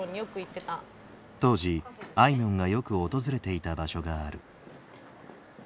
当時あいみょんがよく訪れていた場所がある。